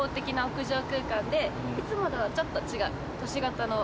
いつもとはちょっと違う。